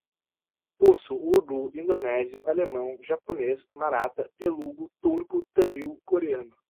Russo, urdu, indonésio, alemão, japonês, marata, telugo, turco, tâmil, coreano